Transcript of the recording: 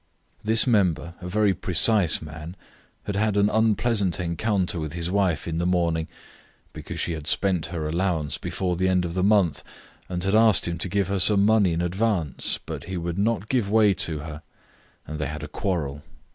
This member, a very precise man, had had an unpleasant encounter with his wife in the morning, because she had spent her allowance before the end of the month, and had asked him to give her some money in advance, but he would not give way to her, and they had a quarrel.